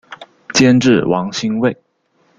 监制王心慰。